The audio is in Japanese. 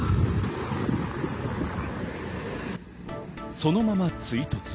そのまま追突。